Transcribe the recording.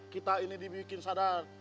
kita ini dibikin sadar